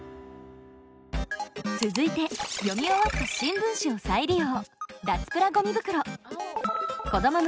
続いて読み終わった新聞紙を再利用。